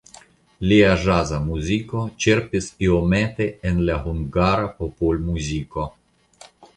Lia ĵaza muziko ĉerpis iomete el la hungara popolmuziko.